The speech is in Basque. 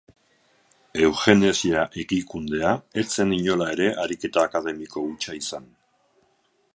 Eugenesia higikundea ez zen inola ere ariketa akademiko hutsa izan.